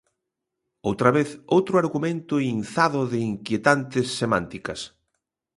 Outra vez outro argumento inzado de inquietantes semánticas.